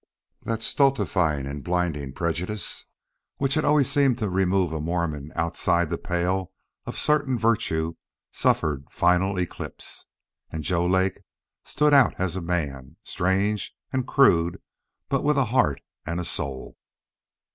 That stultifying and blinding prejudice which had always seemed to remove a Mormon outside the pale of certain virtue suffered final eclipse; and Joe Lake stood out a man, strange and crude, but with a heart and a soul.